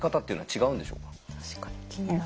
確かに気になる。